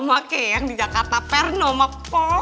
makanya yang di jakarta perno mak pa